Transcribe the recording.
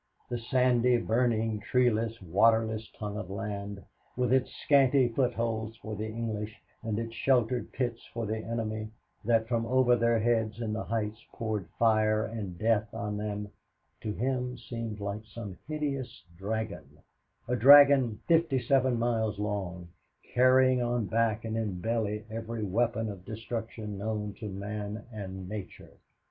The sandy, burning, treeless, waterless tongue of land, with its scanty footholds for the English and its sheltered pits for the enemy that from over their heads in the heights poured fire and death on them, to him seemed like some hideous dragon a dragon fifty seven miles long, carrying on back and in belly every weapon of destruction known to man and nature.